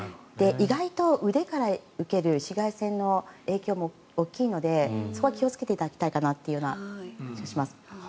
意外と腕から受ける紫外線の影響も大きいのでそこは気をつけていただきたいかなという感じがします。